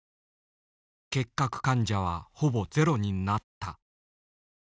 結核患者はほぼゼロになった。